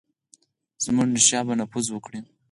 زمانشاه به نفوذ وکړي.